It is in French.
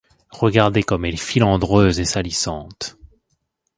Regardez comme elle est filandreuse et salissante.